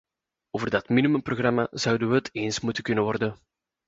Over dat minimumprogramma zouden wij het eens moeten kunnen worden.